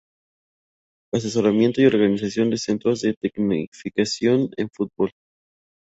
Asesoramiento y Organización de Centros de Tecnificación en Fútbol.